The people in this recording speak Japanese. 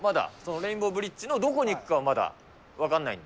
レインボーブリッジのどこに行くかはまだ分かんないんで。